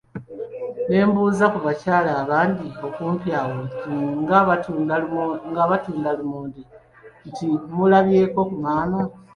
Ne mbuuza ku bakyala abandi okumpi awo nga batunda lumonde nti, mulabyeko ku maama?